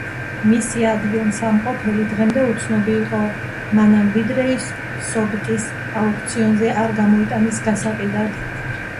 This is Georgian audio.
მისი ადგილსამყოფელი დღემდე უცნობი იყო მანამ, ვიდრე ის სოტბის აუქციონზე არ გამოიტანეს გასაყიდად.